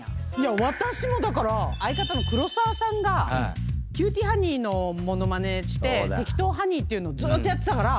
私もだから相方の黒沢さんが『キューティーハニー』の物まねしてテキトーハニーっていうのずっとやってたから。